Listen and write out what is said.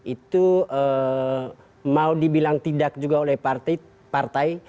itu mau dibilang tidak juga oleh partai